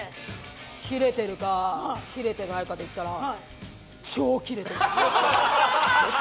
キレてるかキレてないかで言ったら超キレてる。